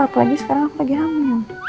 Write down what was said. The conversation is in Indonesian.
apalagi sekarang lagi hamil